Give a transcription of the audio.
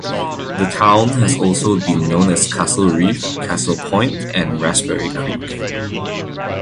The town has also been known as Castle Reef, Castle Point, and Raspberry Creek.